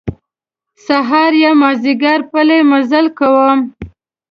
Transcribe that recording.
سهار یا مازیګر پلی مزل کوم.